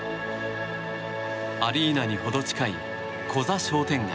アリーナに程近いコザ商店街。